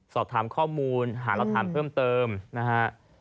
สอบถามข้อมูลหารักฐานเพิ่มเติมนะฮะ